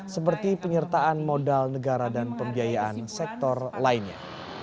seperti penyertaan modal negara dan pembiayaan sektor lainnya